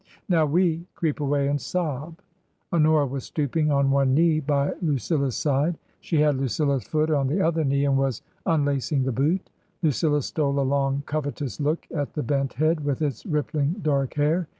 Now, we creep away and sob." Honora was stooping on one knee by Lucilla's side. She had Lucilla's foot on the other knee and was un lacing the boot. Lucilla stole a long, covetous look at the bent head with its rippling dark hair.